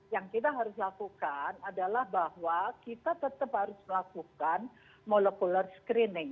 yang kita harus lakukan adalah bahwa kita tetap harus melakukan molekuler screening